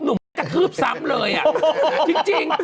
น้ำชาชีวนัทครับผมโพสต์ขอโทษทำเข้าใจผิดหวังคำเวพรเป็นจริงนะครับ